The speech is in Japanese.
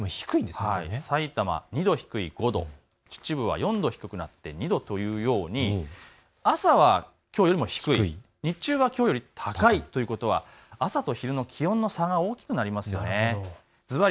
さいたま２度低い５度、秩父は４度低くなって２度というように朝はきょうよりも低い、日中はきょうよりも高いということは朝と昼の気温の差が大きくなります。